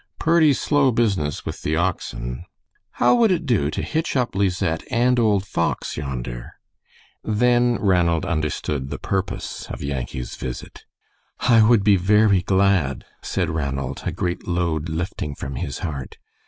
"Purty slow business with the oxen. How would it do to hitch up Lisette and old Fox yonder?" Then Ranald understood the purpose of Yankee's visit. "I would be very glad," said Ranald, a great load lifting from his heart.